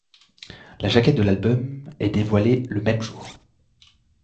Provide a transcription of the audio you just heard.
La jaquette de l'album est dévoilée le même jour.